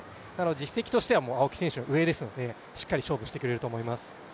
実績としては青木選手の方が上なのでしっかり勝負してくれると思います。